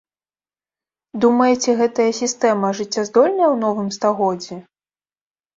Думаеце гэтая сістэма жыццяздольная ў новым стагоддзі?